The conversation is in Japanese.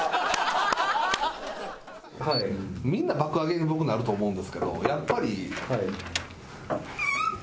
みんな爆上げに僕なると思うんですけど。